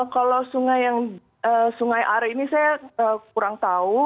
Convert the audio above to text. kalau sungai yang sungai arre ini saya kurang tahu